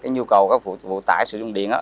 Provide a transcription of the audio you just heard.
nhu cầu phụ tải sử dụng điện